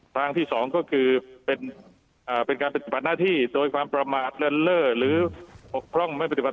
ทางที่๒ก็คือเป็นการปฏิบัติหน้าที่โดยความประมาทเลินเล่อหรือปกพร่องไม่ปฏิบัติ